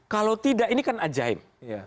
kalau tidak ini kan ajaib